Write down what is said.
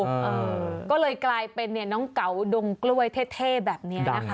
เออก็เลยกลายเป็นเนี่ยน้องเก๋าดงกล้วยเท่แบบนี้นะคะ